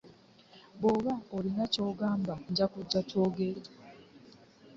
Bw'oba olina ky'oŋŋamba nja kujja twogere.